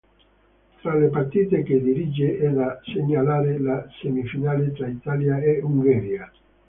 Tra le partite che dirige è da segnalare la semifinale tra Italia e Ungheria.